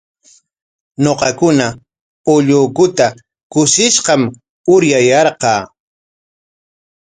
Ñuqakuna ullukuta kushishqam uryayarqaa.